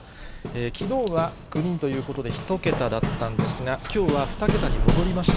きのうは９人ということで１桁だったんですが、きょうは２桁に戻りました。